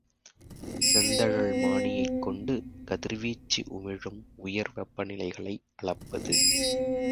செந்தழல் மானியைக் கொண்டு கதிர்வீச்சு உமிழும் உயர்வெப்பநிலைகளை அளப்பது.